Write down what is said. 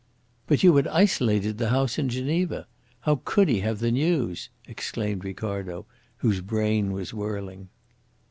"But you had isolated the house in Geneva. How could he have the news?" exclaimed Ricardo, whose brain was whirling.